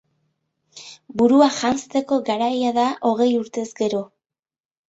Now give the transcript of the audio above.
Burua janzteko garaia da hogei urtez gero